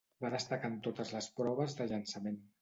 Va destacar en totes les proves de llançament.